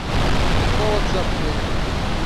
Qual o WhatsApp dele?